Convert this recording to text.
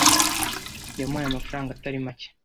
Yamuhaye amafaranga atari make.